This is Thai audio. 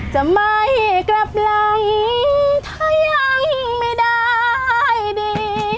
จะไม่กลับหลังถ้ายังไม่ได้ดี